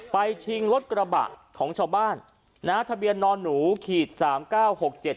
ชิงรถกระบะของชาวบ้านนะฮะทะเบียนนอนหนูขีดสามเก้าหกเจ็ด